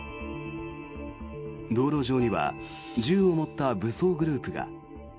道路上には銃を持った武装グループが。